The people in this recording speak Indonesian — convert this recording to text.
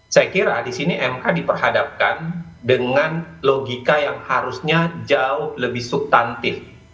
saya kira di sini mk diperhadapkan dengan logika yang harusnya jauh lebih subtantif